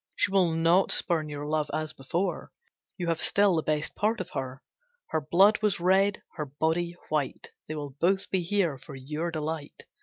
She will not spurn your love as before, you have still the best part of her. Her blood was red, her body white, they will both be here for your delight.